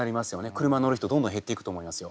車乗る人どんどん減っていくと思いますよ